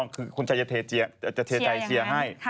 คือคุณชัยจะเทใจเชียร์ให้